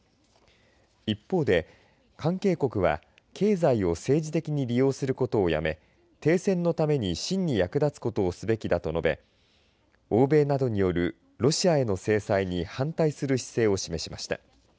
一方で関係国は経済を政治的に利用することをやめ停戦のために真に役立つことをすべきだと述べ欧米などによるロシアへの制裁に反対する姿勢を示しました。